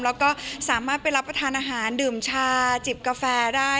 แล้วก็สามารถไปรับประทานอาหารดื่มชาจิบกาแฟได้